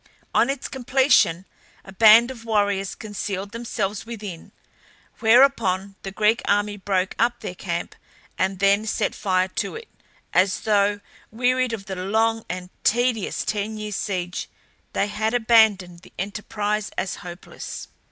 On its completion a band of warriors concealed themselves within, whereupon the Greek army broke up their camp, and then set fire to it, as though, wearied of the long and tedious ten years' siege, they had abandoned the enterprise as hopeless.